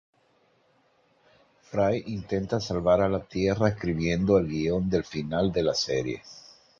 Fry intenta salvar a la tierra escribiendo el guion del final de la serie.